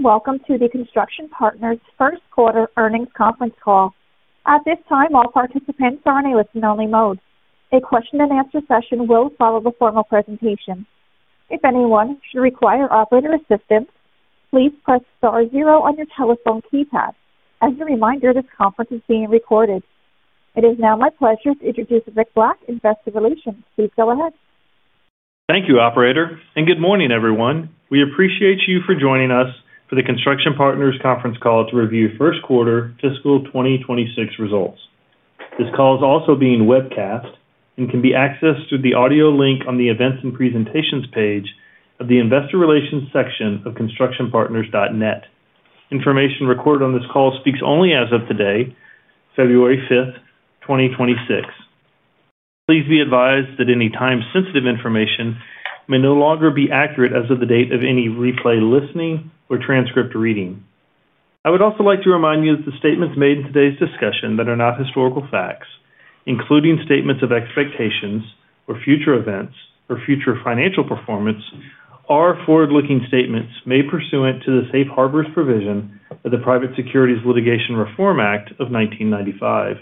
Welcome to the Construction Partners first quarter earnings conference call. At this time, all participants are in a listen-only mode. A question-and-answer session will follow the formal presentation. If anyone should require operator assistance, please press star zero on your telephone keypad. As a reminder, this conference is being recorded. It is now my pleasure to introduce Rick Black, Investor Relations. Please go ahead. Thank you, operator, and good morning, everyone. We appreciate you for joining us for the Construction Partners conference call to review first quarter fiscal 2026 results. This call is also being webcast and can be accessed through the audio link on the Events and Presentations page of the Investor Relations section of constructionpartners.net. Information recorded on this call speaks only as of today, February 5, 2026. Please be advised that any time-sensitive information may no longer be accurate as of the date of any replay listening or transcript reading. I would also like to remind you that the statements made in today's discussion that are not historical facts, including statements of expectations or future events or future financial performance, are forward-looking statements made pursuant to the Safe Harbors provision of the Private Securities Litigation Reform Act of 1995.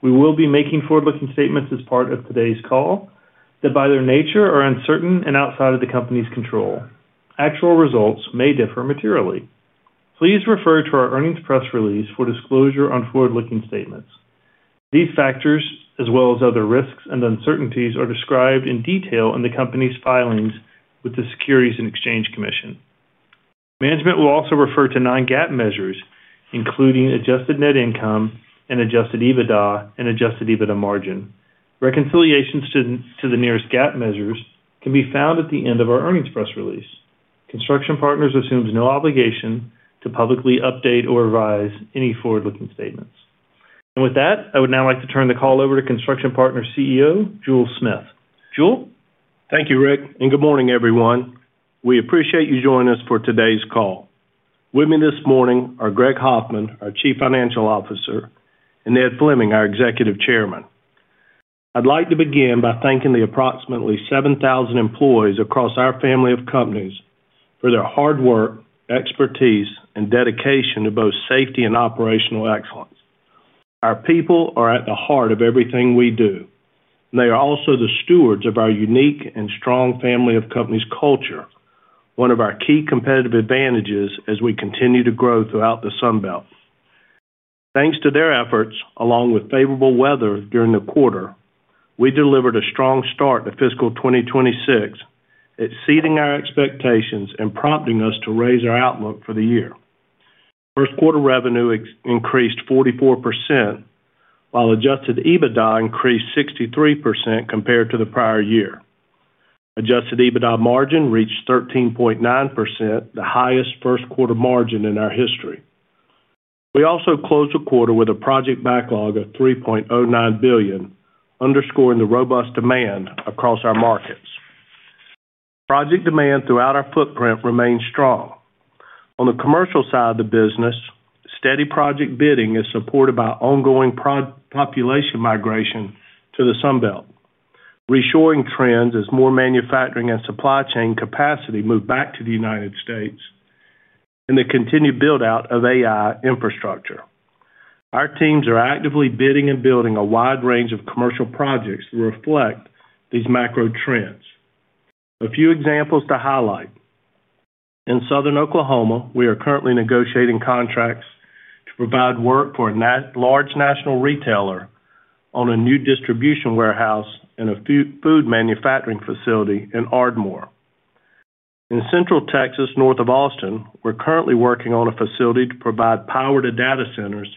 We will be making forward-looking statements as part of today's call that, by their nature, are uncertain and outside of the company's control. Actual results may differ materially. Please refer to our earnings press release for disclosure on forward-looking statements. These factors, as well as other risks and uncertainties, are described in detail in the company's filings with the Securities and Exchange Commission. Management will also refer to non-GAAP measures, including adjusted net income and adjusted EBITDA and adjusted EBITDA margin. Reconciliation to the nearest GAAP measures can be found at the end of our earnings press release. Construction Partners assumes no obligation to publicly update or revise any forward-looking statements. With that, I would now like to turn the call over to Construction Partners' CEO, Jule Smith. Jule? Thank you, Rick, and good morning, everyone. We appreciate you joining us for today's call. With me this morning are Greg Hoffman, our Chief Financial Officer, and Ned Fleming, our Executive Chairman. I'd like to begin by thanking the approximately 7,000 employees across our family of companies for their hard work, expertise, and dedication to both safety and operational excellence. Our people are at the heart of everything we do. They are also the stewards of our unique and strong family of companies' culture, one of our key competitive advantages as we continue to grow throughout the Sun Belt. Thanks to their efforts, along with favorable weather during the quarter, we delivered a strong start to fiscal 2026, exceeding our expectations and prompting us to raise our outlook for the year. First quarter revenue increased 44%, while adjusted EBITDA increased 63% compared to the prior year. Adjusted EBITDA margin reached 13.9%, the highest first quarter margin in our history. We also closed the quarter with a project backlog of $3.09 billion, underscoring the robust demand across our markets. Project demand throughout our footprint remains strong. On the commercial side of the business, steady project bidding is supported by ongoing population migration to the Sun Belt, reshoring trends as more manufacturing and supply chain capacity move back to the United States, and the continued build-out of AI infrastructure. Our teams are actively bidding and building a wide range of commercial projects that reflect these macro trends. A few examples to highlight. In Southern Oklahoma, we are currently negotiating contracts to provide work for a large national retailer on a new distribution warehouse and a food manufacturing facility in Ardmore. In Central Texas, north of Austin, we're currently working on a facility to provide power to data centers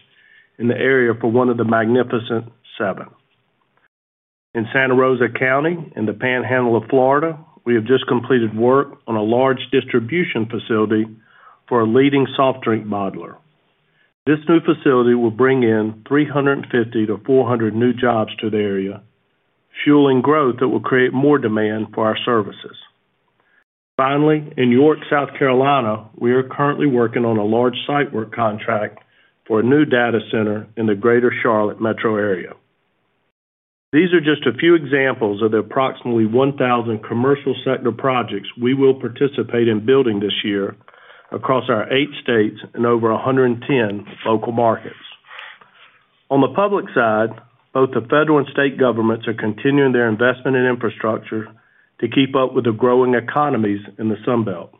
in the area for one of the Magnificent Seven. In Santa Rosa County, in the Panhandle of Florida, we have just completed work on a large distribution facility for a leading soft drink bottler. This new facility will bring in 350-400 new jobs to the area, fueling growth that will create more demand for our services. Finally, in York, South Carolina, we are currently working on a large site work contract for a new data center in the greater Charlotte metro area. These are just a few examples of the approximately 1,000 commercial sector projects we will participate in building this year across our eight states and over 110 local markets. On the public side, both the federal and state governments are continuing their investment in infrastructure to keep up with the growing economies in the Sun Belt.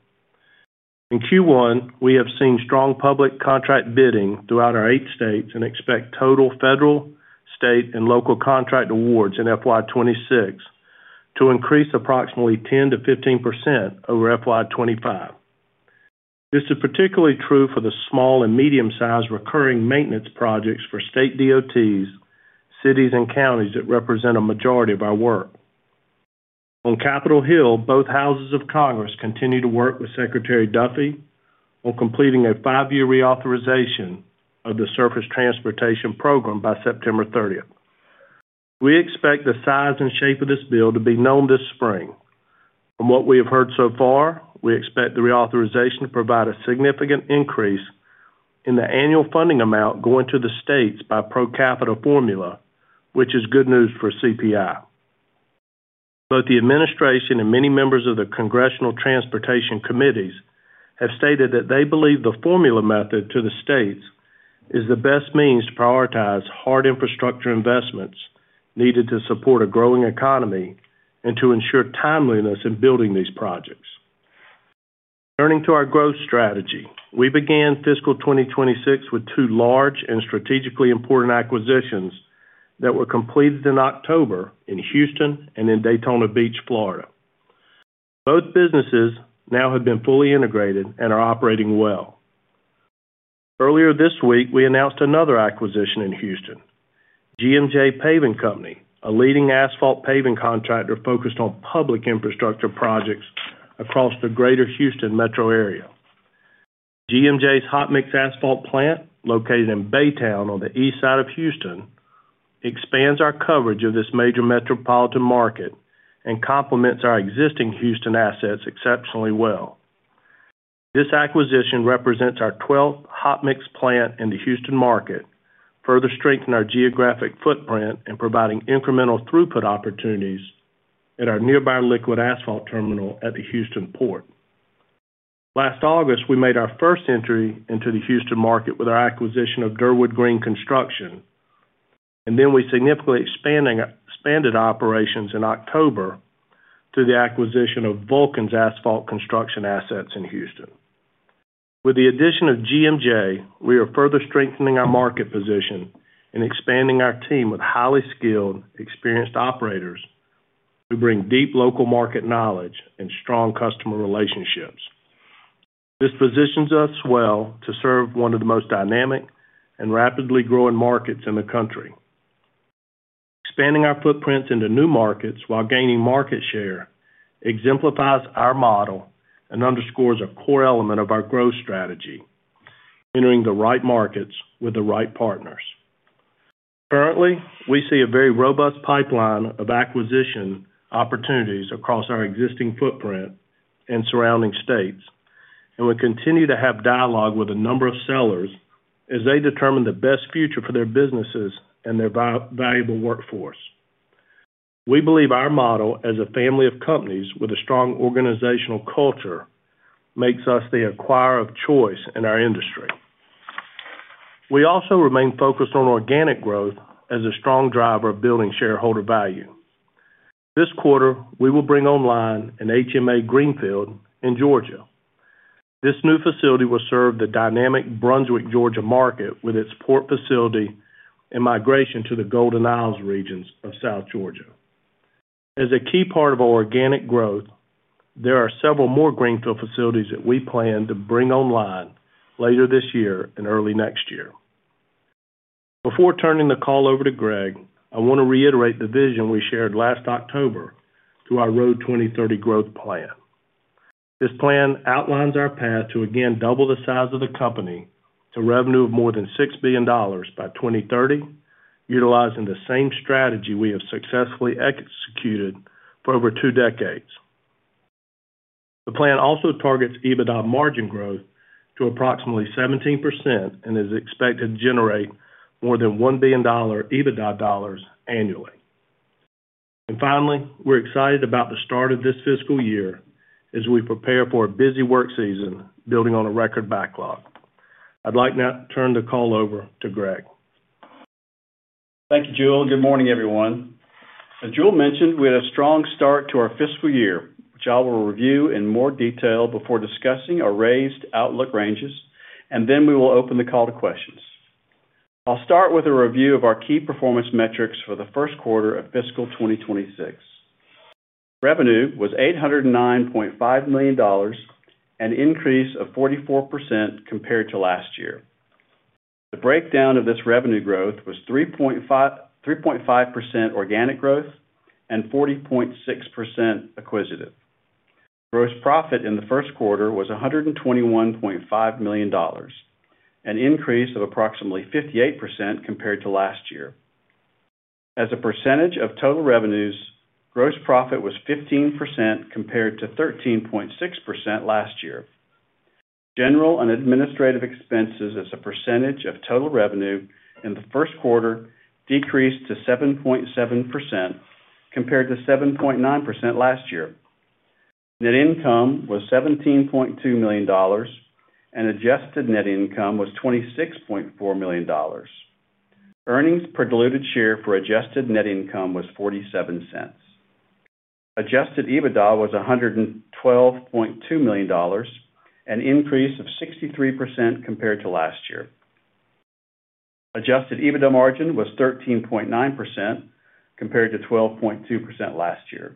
In Q1, we have seen strong public contract bidding throughout our eight states and expect total federal, state, and local contract awards in FY 2026 to increase approximately 10%-15% over FY 2025. This is particularly true for the small and medium-sized recurring maintenance projects for state DOTs, cities, and counties that represent a majority of our work. On Capitol Hill, both houses of Congress continue to work with Secretary Duffy on completing a five-year reauthorization of the Surface Transportation Program by September 30. We expect the size and shape of this bill to be known this spring. From what we have heard so far, we expect the reauthorization to provide a significant increase in the annual funding amount going to the states by per capita formula, which is good news for CPI. Both the administration and many members of the Congressional Transportation Committees have stated that they believe the formula method to the states is the best means to prioritize hard infrastructure investments needed to support a growing economy and to ensure timeliness in building these projects. Turning to our growth strategy, we began fiscal 2026 with two large and strategically important acquisitions that were completed in October in Houston and in Daytona Beach, Florida. Both businesses now have been fully integrated and are operating well. Earlier this week, we announced another acquisition in Houston, GMJ Paving Company, a leading asphalt paving contractor focused on public infrastructure projects across the Greater Houston metro area. GMJ's hot mix asphalt plant, located in Baytown on the east side of Houston, expands our coverage of this major metropolitan market and complements our existing Houston assets exceptionally well. This acquisition represents our twelfth hot mix plant in the Houston market, further strengthening our geographic footprint and providing incremental throughput opportunities at our nearby liquid asphalt terminal at the Houston Port. Last August, we made our first entry into the Houston market with our acquisition of Durwood Greene Construction, and then we significantly expanded operations in October through the acquisition of Vulcan's asphalt construction assets in Houston. With the addition of GMJ, we are further strengthening our market position and expanding our team with highly skilled, experienced operators who bring deep local market knowledge and strong customer relationships. This positions us well to serve one of the most dynamic and rapidly growing markets in the country. Expanding our footprint into new markets while gaining market share exemplifies our model and underscores a core element of our growth strategy, entering the right markets with the right partners. Currently, we see a very robust pipeline of acquisition opportunities across our existing footprint and surrounding states, and we continue to have dialogue with a number of sellers as they determine the best future for their businesses and their valuable workforce. We believe our model as a family of companies with a strong organizational culture, makes us the acquirer of choice in our industry. We also remain focused on organic growth as a strong driver of building shareholder value. This quarter, we will bring online an HMA greenfield in Georgia. This new facility will serve the dynamic Brunswick, Georgia, market with its port facility and migration to the Golden Isles regions of South Georgia. As a key part of our organic growth, there are several more greenfield facilities that we plan to bring online later this year and early next year. Before turning the call over to Greg, I want to reiterate the vision we shared last October through our Road 2030 growth plan. This plan outlines our path to again double the size of the company to revenue of more than $6 billion by 2030, utilizing the same strategy we have successfully executed for over two decades. The plan also targets EBITDA margin growth to approximately 17% and is expected to generate more than $1 billion EBITDA dollars annually. Finally, we're excited about the start of this fiscal year as we prepare for a busy work season building on a record backlog. I'd like now to turn the call over to Greg. Thank you, Jule. Good morning, everyone. As Jule mentioned, we had a strong start to our fiscal year, which I will review in more detail before discussing our raised outlook ranges, and then we will open the call to questions. I'll start with a review of our key performance metrics for the first quarter of fiscal 2026. Revenue was $809.5 million, an increase of 44% compared to last year. The breakdown of this revenue growth was 3.5% organic growth and 40.6% acquisitive. Gross profit in the first quarter was $121.5 million, an increase of approximately 58% compared to last year. As a percentage of total revenues, gross profit was 15%, compared to 13.6% last year. General and administrative expenses as a percentage of total revenue in the first quarter decreased to 7.7%, compared to 7.9% last year. Net income was $17.2 million, and adjusted net income was $26.4 million. Earnings per diluted share for adjusted net income was $0.47. Adjusted EBITDA was $112.2 million, an increase of 63% compared to last year. Adjusted EBITDA margin was 13.9%, compared to 12.2% last year.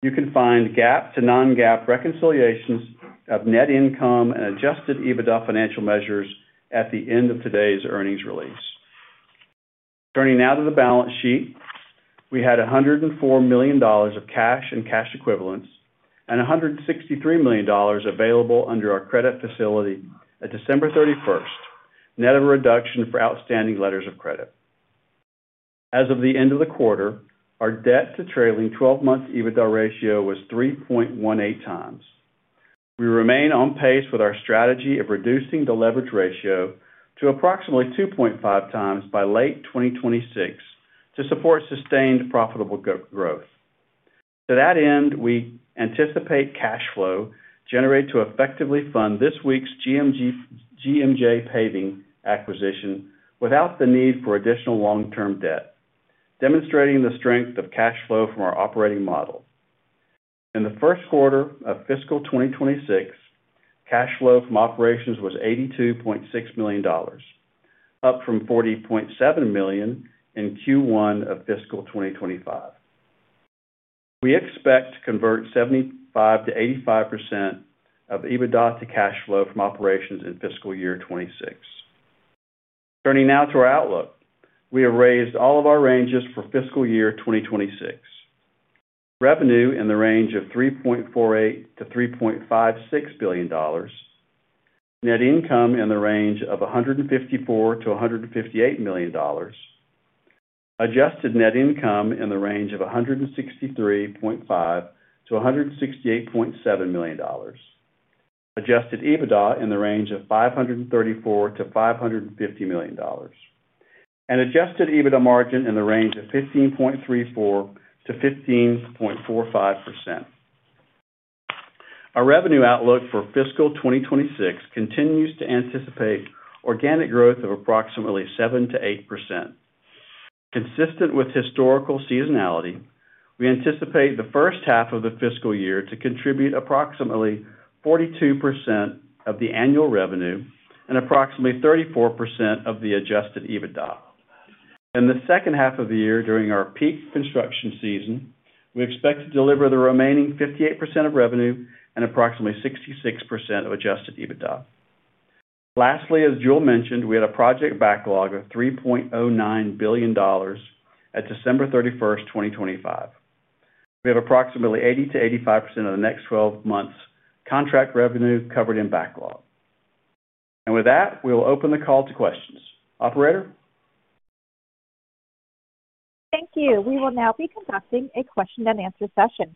You can find GAAP to non-GAAP reconciliations of net income and adjusted EBITDA financial measures at the end of today's earnings release. Turning now to the balance sheet. We had $104 million of cash and cash equivalents, and $163 million available under our credit facility at December thirty-first, net of a reduction for outstanding letters of credit. As of the end of the quarter, our debt to trailing twelve-month EBITDA ratio was 3.18 times. We remain on pace with our strategy of reducing the leverage ratio to approximately 2.5 times by late 2026, to support sustained profitable growth. To that end, we anticipate cash flow generated to effectively fund this week's GMJ Paving acquisition without the need for additional long-term debt, demonstrating the strength of cash flow from our operating model. In the first quarter of fiscal 2026, cash flow from operations was $82.6 million, up from $40.7 million in Q1 of fiscal 2025. We expect to convert 75%-85% of EBITDA to cash flow from operations in fiscal year 2026. Turning now to our outlook. We have raised all of our ranges for fiscal year 2026. Revenue in the range of $3.48 billion-$3.56 billion, net income in the range of $154 million-$158 million, adjusted net income in the range of $163.5 million-$168.7 million, adjusted EBITDA in the range of $534 million-$550 million, and adjusted EBITDA margin in the range of 15.34%-15.45%. Our revenue outlook for fiscal 2026 continues to anticipate organic growth of approximately 7%-8%. Consistent with historical seasonality, we anticipate the first half of the fiscal year to contribute approximately 42% of the annual revenue and approximately 34% of the Adjusted EBITDA. In the second half of the year, during our peak construction season, we expect to deliver the remaining 58% of revenue and approximately 66% of Adjusted EBITDA. Lastly, as Jule mentioned, we had a project backlog of $3.09 billion at December 31, 2025. We have approximately 80%-85% of the next twelve months' contract revenue covered in backlog. And with that, we will open the call to questions. Operator? Thank you. We will now be conducting a question-and-answer session.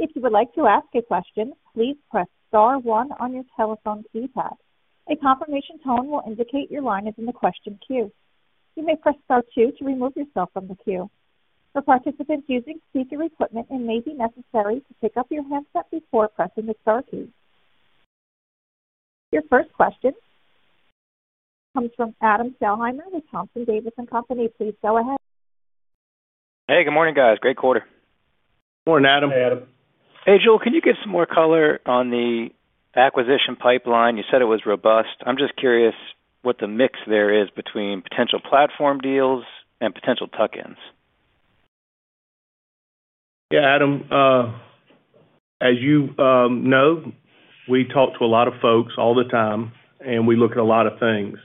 If you would like to ask a question, please press star one on your telephone keypad. A confirmation tone will indicate your line is in the question queue. You may press star two to remove yourself from the queue. For participants using speaker equipment, it may be necessary to pick up your handset before pressing the star key. Your first question comes from Adam Thalhimer with Thompson Davis & Co. Please go ahead. Hey, good morning, guys. Great quarter. Morning, Adam. Morning, Adam. Hey, Jule, can you give some more color on the acquisition pipeline? You said it was robust. I'm just curious what the mix there is between potential platform deals and potential tuck-ins? Yeah, Adam, as you know, we talk to a lot of folks all the time, and we look at a lot of things.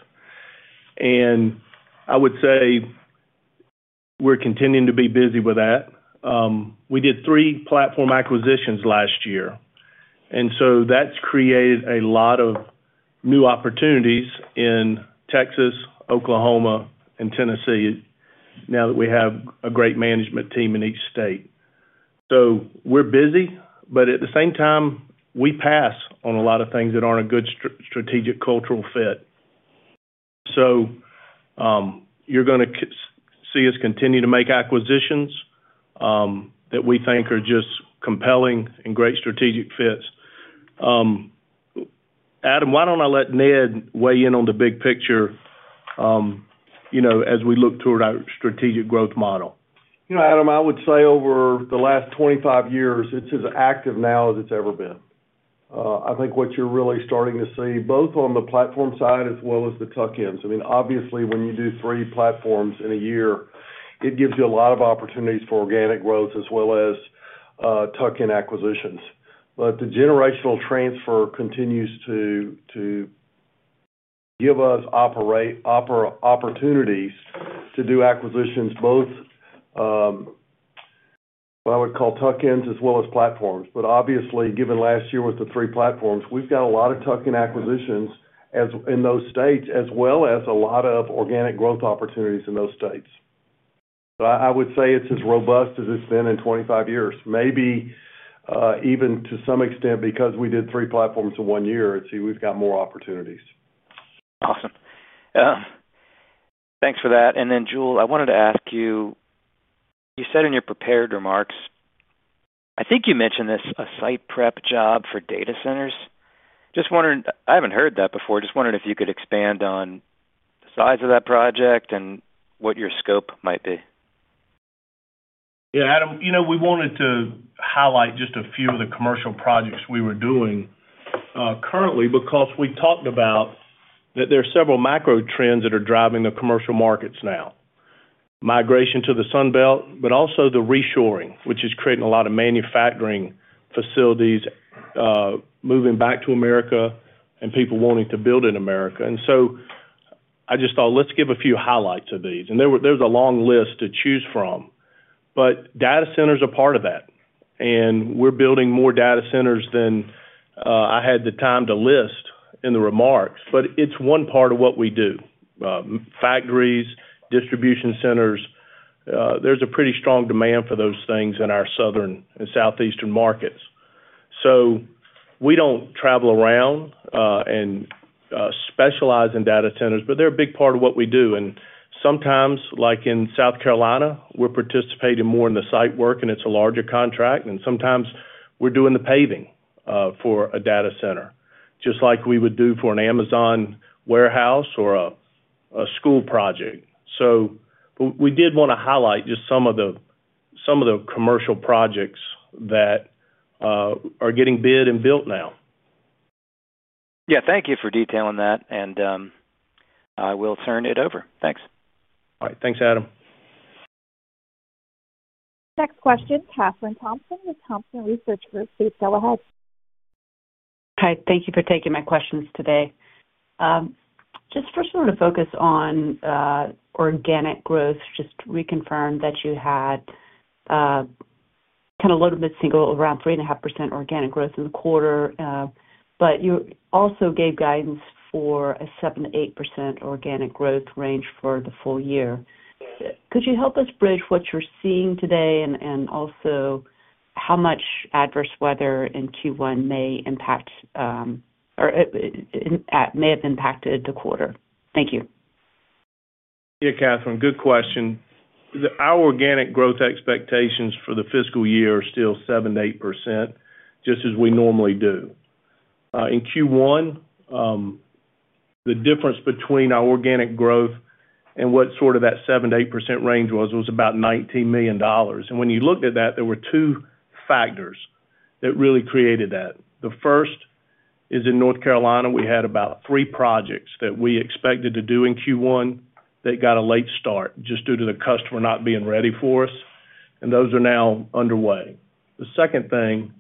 I would say we're continuing to be busy with that. We did three platform acquisitions last year, and so that's created a lot of new opportunities in Texas, Oklahoma, and Tennessee, now that we have a great management team in each state. So we're busy, but at the same time, we pass on a lot of things that aren't a good strategic, cultural fit. So, you're gonna see us continue to make acquisitions that we think are just compelling and great strategic fits. Adam, why don't I let Ned weigh in on the big picture, you know, as we look toward our strategic growth model? You know, Adam, I would say over the last 25 years, it's as active now as it's ever been. I think what you're really starting to see, both on the platform side as well as the tuck-ins, I mean, obviously, when you do 3 platforms in a year, it gives you a lot of opportunities for organic growth as well as tuck-in acquisitions. But the generational transfer continues to give us opportunities to do acquisitions, both what I would call tuck-ins as well as platforms. But obviously, given last year with the 3 platforms, we've got a lot of tuck-in acquisitions in those states, as well as a lot of organic growth opportunities in those states. But I would say it's as robust as it's been in 25 years, maybe, even to some extent, because we did three platforms in one year, and so we've got more opportunities. Awesome. Thanks for that. And then, Jule, I wanted to ask you, you said in your prepared remarks... I think you mentioned this, a site prep job for data centers. Just wondering, I haven't heard that before. Just wondering if you could expand on the size of that project and what your scope might be. Yeah, Adam, you know, we wanted to highlight just a few of the commercial projects we were doing currently, because we talked about that there are several macro trends that are driving the commercial markets now. Migration to the Sun Belt, but also the reshoring, which is creating a lot of manufacturing facilities moving back to America and people wanting to build in America. And so I just thought, let's give a few highlights of these. And there was a long list to choose from, but data centers are part of that, and we're building more data centers than I had the time to list in the remarks, but it's one part of what we do. Factories, distribution centers.... there's a pretty strong demand for those things in our southern and southeastern markets. So we don't travel around and specialize in data centers, but they're a big part of what we do. And sometimes, like in South Carolina, we're participating more in the site work, and it's a larger contract, and sometimes we're doing the paving for a data center, just like we would do for an Amazon warehouse or a school project. So we did wanna highlight just some of the commercial projects that are getting bid and built now. Yeah, thank you for detailing that, and, I will turn it over. Thanks. All right. Thanks, Adam. Next question, Kathryn Thompson with Thompson Research Group. Please go ahead. Hi, thank you for taking my questions today. Just first wanted to focus on organic growth, just to reconfirm that you had kind of low to mid single, around 3.5% organic growth in the quarter, but you also gave guidance for a 7%-8% organic growth range for the full year. Could you help us bridge what you're seeing today, and also how much adverse weather in Q1 may impact, or may have impacted the quarter? Thank you. Yeah, Kathryn, good question. Our organic growth expectations for the fiscal year are still 7%-8%, just as we normally do. In Q1, the difference between our organic growth and what sort of that 7%-8% range was about $19 million. And when you looked at that, there were two factors that really created that. The first is, in North Carolina, we had about three projects that we expected to do in Q1 that got a late start, just due to the customer not being ready for us, and those are now underway. The second thing,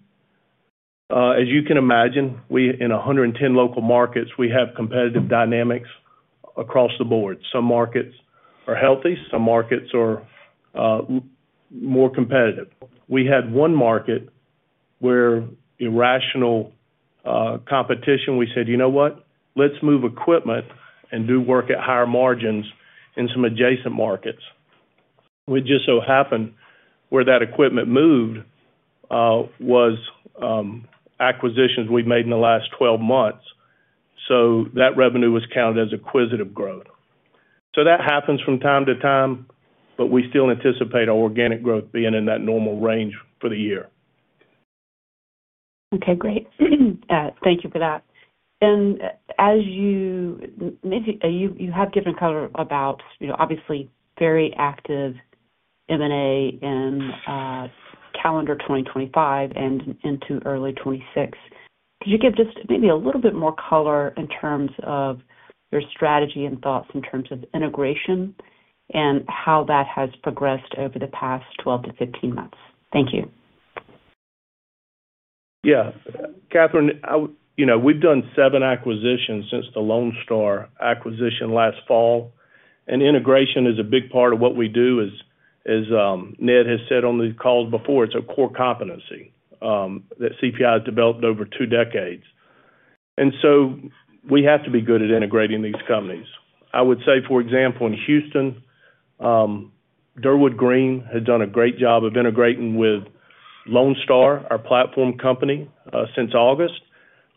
as you can imagine, we in 110 local markets, we have competitive dynamics across the board. Some markets are healthy, some markets are more competitive. We had one market where irrational competition, we said, "You know what? Let's move equipment and do work at higher margins in some adjacent markets." It just so happened, where that equipment moved, was acquisitions we've made in the last 12 months, so that revenue was counted as acquisitive growth. So that happens from time to time, but we still anticipate our organic growth being in that normal range for the year. Okay, great. Thank you for that. As you-- maybe you, you have given color about, you know, obviously, very active M&A in calendar 2025 and into early 2026. Could you give just maybe a little bit more color in terms of your strategy and thoughts in terms of integration and how that has progressed over the past 12-15 months? Thank you. Yeah. Kathryn, I—you know, we've done seven acquisitions since the Lone Star acquisition last fall, and integration is a big part of what we do. As Ned has said on these calls before, it's a core competency that CPI has developed over two decades. And so we have to be good at integrating these companies. I would say, for example, in Houston, Durwood Greene has done a great job of integrating with Lone Star, our platform company, since August.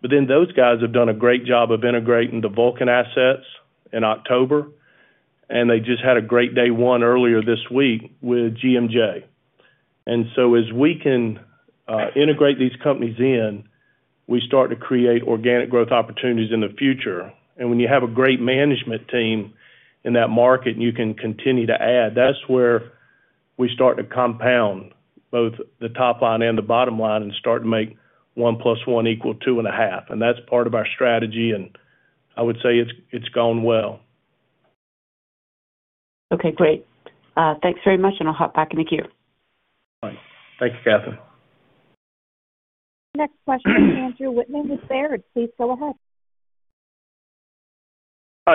But then those guys have done a great job of integrating the Vulcan assets in October, and they just had a great day one earlier this week with GMJ. And so as we can integrate these companies in, we start to create organic growth opportunities in the future. When you have a great management team in that market, and you can continue to add, that's where we start to compound both the top line and the bottom line and start to make 1 + 1 = 2.5, and that's part of our strategy, and I would say it's gone well. Okay, great. Thanks very much, and I'll hop back in the queue. All right. Thanks, Kathryn. Next question, Andrew Whitman with Baird. Please go ahead.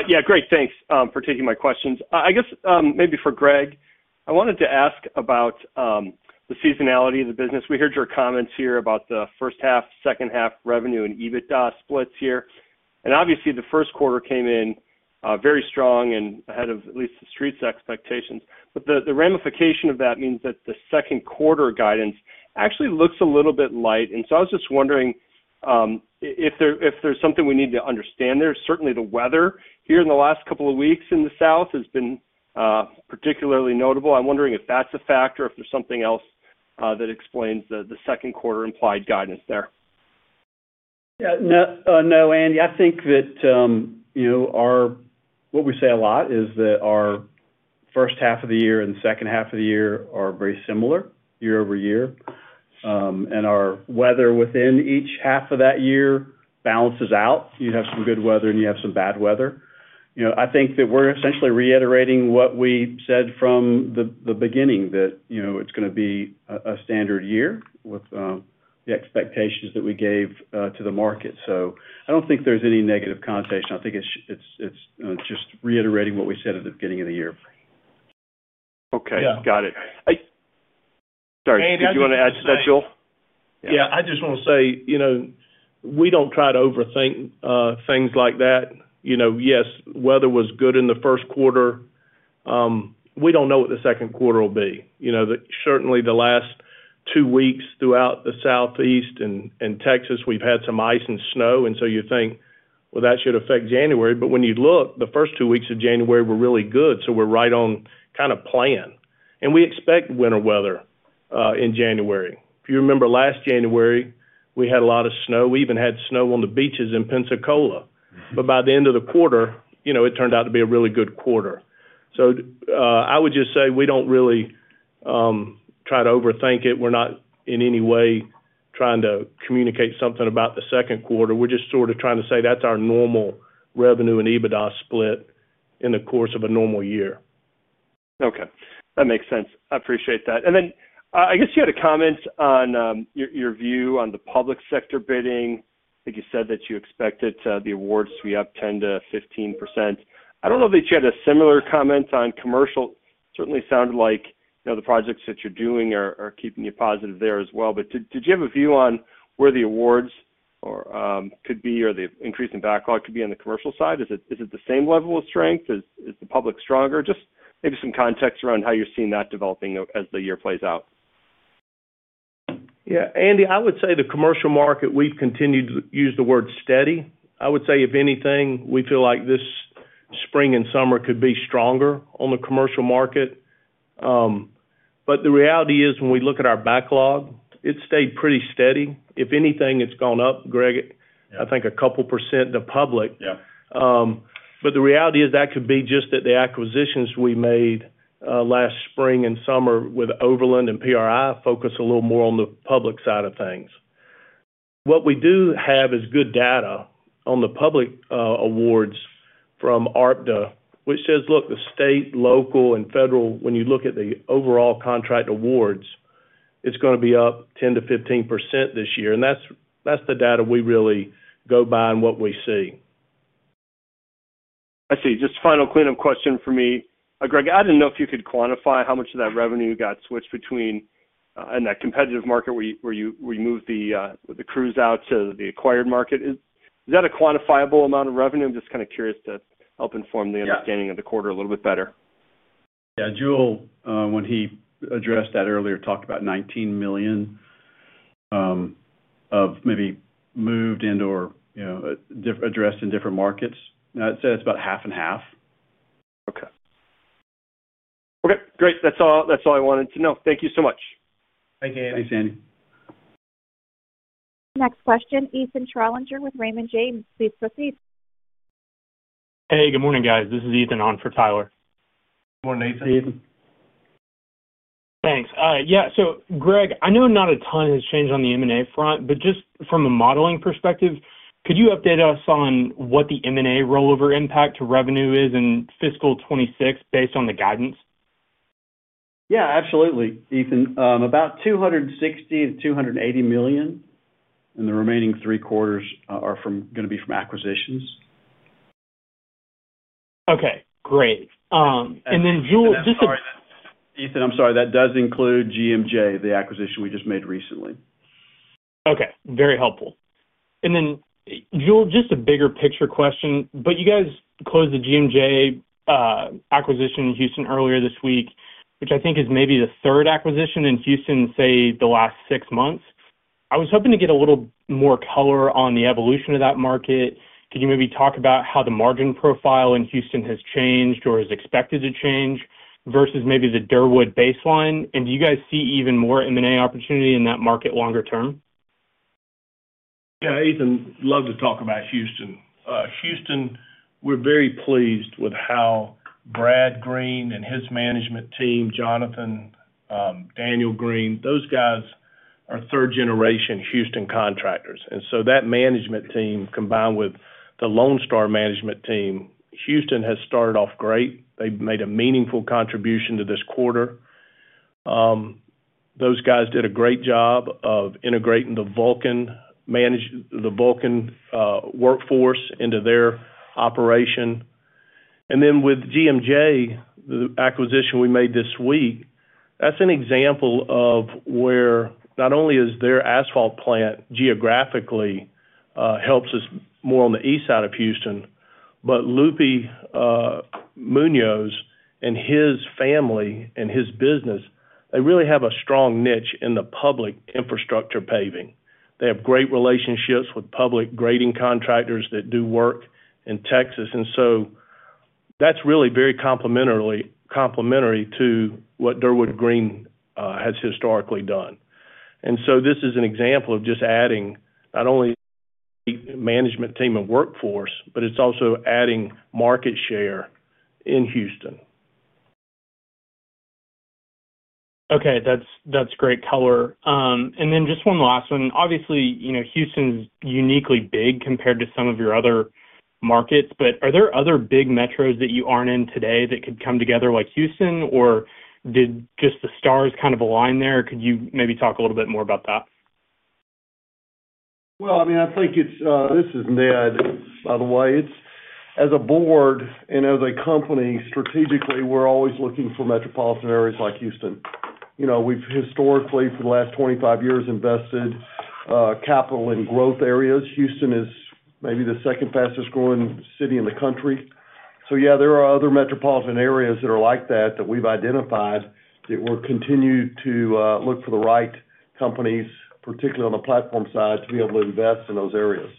Yeah, great. Thanks for taking my questions. I guess, maybe for Greg, I wanted to ask about the seasonality of the business. We heard your comments here about the first half, second half revenue and EBITDA splits here, and obviously, the first quarter came in very strong and ahead of at least the street's expectations. But the ramification of that means that the second quarter guidance actually looks a little bit light. And so I was just wondering if there's something we need to understand there. Certainly, the weather here in the last couple of weeks in the South has been particularly notable. I'm wondering if that's a factor, or if there's something else that explains the second quarter implied guidance there. Yeah. No, no, Andy, I think that, you know, what we say a lot is that our first half of the year and second half of the year are very similar year-over-year. And our weather within each half of that year balances out. You have some good weather, and you have some bad weather. You know, I think that we're essentially reiterating what we said from the beginning, that, you know, it's gonna be a standard year with the expectations that we gave to the market. So I don't think there's any negative connotation. I think it's, you know, just reiterating what we said at the beginning of the year. Okay. Yeah. Got it.... Sorry, did you want to add, Jule? Yeah, I just want to say, you know, we don't try to overthink things like that. You know, yes, weather was good in the first quarter. We don't know what the second quarter will be. You know, certainly the last two weeks throughout the Southeast and Texas, we've had some ice and snow, and so you think, well, that should affect January. But when you look, the first two weeks of January were really good, so we're right on kind of plan. And we expect winter weather in January. If you remember last January, we had a lot of snow. We even had snow on the beaches in Pensacola. But by the end of the quarter, you know, it turned out to be a really good quarter. So, I would just say we don't really try to overthink it. We're not in any way trying to communicate something about the second quarter. We're just sort of trying to say that's our normal revenue and EBITDA split in the course of a normal year. Okay, that makes sense. I appreciate that. And then, I guess you had a comment on your view on the public sector bidding. I think you said that you expected the awards to be up 10%-15%. I don't know if you had a similar comment on commercial. Certainly sounded like, you know, the projects that you're doing are keeping you positive there as well. But did you have a view on where the awards or could be, or the increase in backlog could be on the commercial side? Is it the same level of strength? Is the public stronger? Just maybe some context around how you're seeing that developing as the year plays out. Yeah, Andy, I would say the commercial market, we've continued to use the word steady. I would say, if anything, we feel like this spring and summer could be stronger on the commercial market. But the reality is, when we look at our backlog, it's stayed pretty steady. If anything, it's gone up, Greg, I think a couple% in the public. Yeah. But the reality is that could be just that the acquisitions we made, last spring and summer with Overland and PRI focus a little more on the public side of things. What we do have is good data on the public, awards from ARTBA, which says, look, the state, local, and federal, when you look at the overall contract awards, it's gonna be up 10%-15% this year, and that's, that's the data we really go by and what we see. I see. Just final cleanup question for me. Greg, I didn't know if you could quantify how much of that revenue got switched between, in that competitive market where you moved the crews out to the acquired market. Is that a quantifiable amount of revenue? I'm just kind of curious to help inform the understanding... Yeah. of the quarter a little bit better. Yeah, Jule, when he addressed that earlier, talked about $19 million of maybe moved into or, you know, addressed in different markets. I'd say it's about half and half. Okay. Okay, great. That's all, that's all I wanted to know. Thank you so much. Thank you. Thanks, Andy. Next question, Ethan Trollinger with Raymond James. Please proceed. Hey, good morning, guys. This is Ethan on for Tyler. Good morning, Ethan. Hey, Ethan. Thanks. Yeah, so Greg, I know not a ton has changed on the M&A front, but just from a modeling perspective, could you update us on what the M&A rollover impact to revenue is in fiscal 2026 based on the guidance? Yeah, absolutely, Ethan. About $260 million-$280 million, and the remaining three quarters are gonna be from acquisitions. Okay, great. And then Jule, just- Sorry, Ethan, I'm sorry, that does include GMJ, the acquisition we just made recently. Okay, very helpful. And then, Jule, just a bigger picture question, but you guys closed the GMJ acquisition in Houston earlier this week, which I think is maybe the third acquisition in Houston, say, the last six months. I was hoping to get a little more color on the evolution of that market. Could you maybe talk about how the margin profile in Houston has changed or is expected to change versus maybe the Durwood baseline? And do you guys see even more M&A opportunity in that market longer term? Yeah, Ethan, love to talk about Houston. Houston, we're very pleased with how Brad Greene and his management team, Jonathan, Daniel Greene, those guys are third-generation Houston contractors. And so that management team, combined with the Lone Star management team, Houston has started off great. They've made a meaningful contribution to this quarter. Those guys did a great job of integrating the Vulcan workforce into their operation. And then with GMJ, the acquisition we made this week, that's an example of where not only their asphalt is plant geographically helps us more on the east side of Houston, but Lupe Munoz and his family and his business, they really have a strong niche in the public infrastructure paving. They have great relationships with public grading contractors that do work in Texas, and so that's really very complementary to what Durwood Greene has historically done. And so this is an example of just adding not only management team and workforce, but it's also adding market share in Houston. Okay, that's great color. And then just one last one. Obviously, you know, Houston's uniquely big compared to some of your other markets, but are there other big metros that you aren't in today that could come together like Houston, or did just the stars kind of align there? Could you maybe talk a little bit more about that? Well, I mean, I think it's, this is Ned, by the way. It's as a board and as a company, strategically, we're always looking for metropolitan areas like Houston. You know, we've historically, for the last 25 years, invested capital in growth areas. Houston is maybe the second fastest growing city in the country. So yeah, there are other metropolitan areas that are like that, that we've identified, that we'll continue to look for the right companies, particularly on the platform side, to be able to invest in those areas.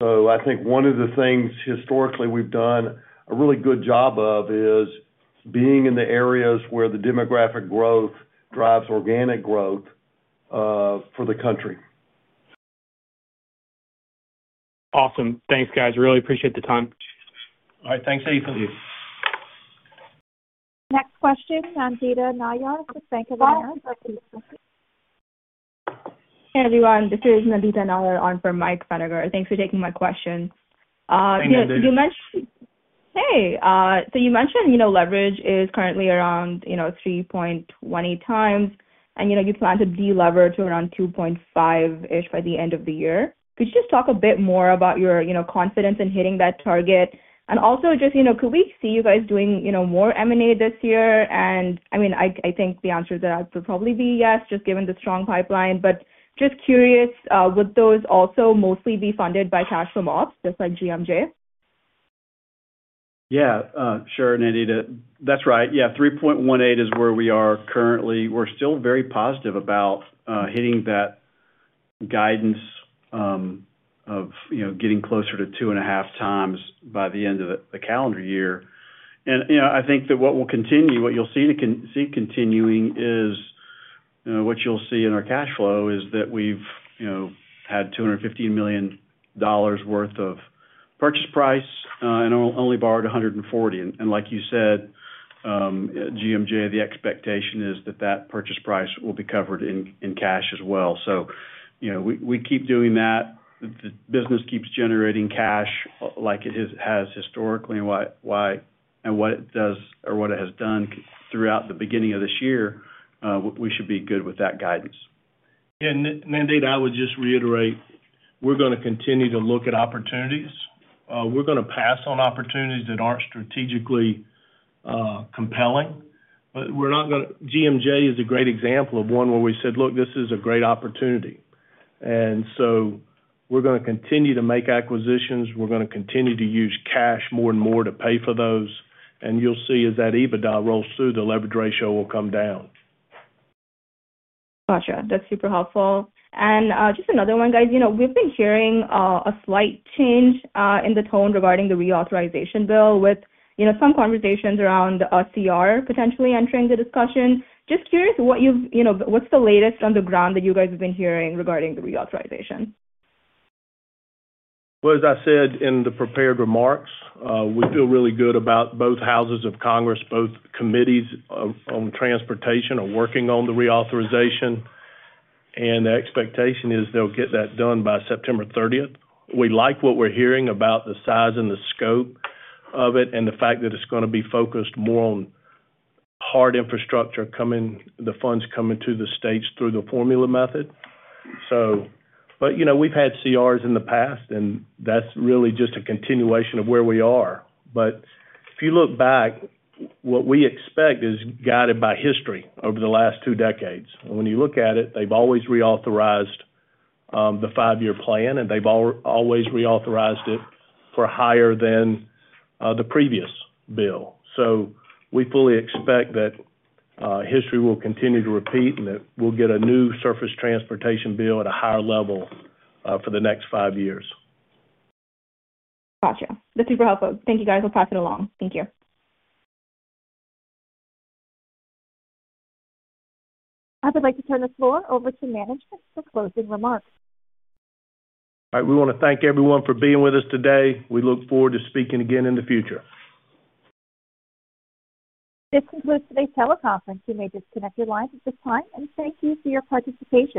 So, I think one of the things historically we've done a really good job of is being in the areas where the demographic growth drives organic growth for the country. Awesome. Thanks, guys. Really appreciate the time. All right. Thanks, Ethan. Next question, Nandita Nayar with Bank of America. Hey, everyone. This is Nandita Nayar on for Mike Feniger. Thanks for taking my question. Thanks, Nandita. So you mentioned, you know, leverage is currently around, you know, 3.20 times, and, you know, you plan to delever to around 2.5-ish by the end of the year. Could you just talk a bit more about your, you know, confidence in hitting that target? And also just, you know, could we see you guys doing, you know, more M&A this year? And, I mean, I think the answer to that would probably be yes, just given the strong pipeline. But just curious, would those also mostly be funded by cash from ops, just like GMJ? Yeah, sure, Nandita. That's right. Yeah, 3.18 is where we are currently. We're still very positive about hitting that guidance of, you know, getting closer to 2.5 times by the end of the calendar year. And, you know, I think that what will continue, what you'll see continuing is, you know, what you'll see in our cash flow, is that we've, you know, had $250 million worth of purchase price and only borrowed $140. And, like you said, GMJ, the expectation is that that purchase price will be covered in cash as well. So, you know, we keep doing that. The business keeps generating cash like it has historically, and what it does or what it has done throughout the beginning of this year, we should be good with that guidance. And Nandita, I would just reiterate, we're gonna continue to look at opportunities. We're gonna pass on opportunities that aren't strategically compelling, but we're not gonna... GMJ is a great example of one where we said, "Look, this is a great opportunity." And so we're gonna continue to make acquisitions. We're gonna continue to use cash more and more to pay for those. And you'll see as that EBITDA rolls through, the leverage ratio will come down. Gotcha. That's super helpful. Just another one, guys. You know, we've been hearing a slight change in the tone regarding the reauthorization bill with, you know, some conversations around CR potentially entering the discussion. Just curious what you've, you know, what's the latest on the ground that you guys have been hearing regarding the reauthorization? Well, as I said in the prepared remarks, we feel really good about both houses of Congress, both committees on transportation are working on the reauthorization, and the expectation is they'll get that done by September thirtieth. We like what we're hearing about the size and the scope of it, and the fact that it's gonna be focused more on hard infrastructure, the funds coming to the states through the formula method. So, but, you know, we've had CRs in the past, and that's really just a continuation of where we are. But if you look back, what we expect is guided by history over the last two decades. And when you look at it, they've always reauthorized the five-year plan, and they've always reauthorized it for higher than the previous bill. So we fully expect that history will continue to repeat, and that we'll get a new surface transportation bill at a higher level for the next five years. Gotcha. That's super helpful. Thank you, guys. We'll pass it along. Thank you. I would like to turn the floor over to management for closing remarks. All right. We wanna thank everyone for being with us today. We look forward to speaking again in the future. This concludes today's teleconference. You may disconnect your lines at this time, and thank you for your participation.